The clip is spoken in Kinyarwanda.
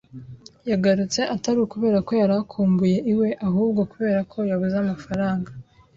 Yagarutse atari ukubera ko yari akumbuye iwe, ahubwo kubera ko yabuze amafaranga.